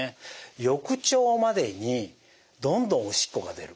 翌朝までにどんどんおしっこが出る。